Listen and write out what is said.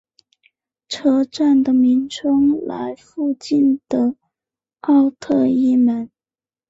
车站的名称来附近的奥特伊门。